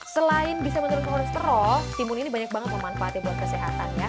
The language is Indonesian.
selain bisa menurunkan kolesterol timun ini banyak banget memanfaatkan buat kesehatan ya